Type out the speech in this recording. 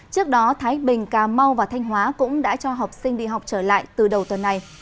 trước đó thái bình cà mau và thanh hóa cũng đã cho học sinh đi học trở lại từ đầu tuần này